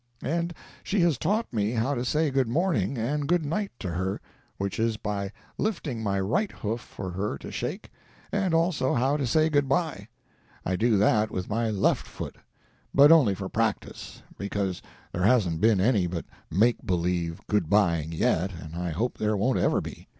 "And she has taught me how to say good morning and good night to her, which is by lifting my right hoof for her to shake; and also how to say good bye; I do that with my left foot—but only for practice, because there hasn't been any but make believe good byeing yet, and I hope there won't ever be.